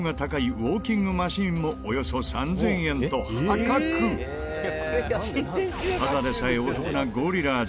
ウォーキングマシンもおよそ３０００円と破格ただでさえお得なゴリラーズ